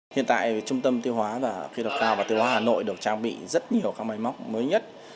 hiện tại trung tâm tiêu hóa và kỹ thuật cao và tiêu hóa hà nội được trang bị rất nhiều các máy móc mới nhất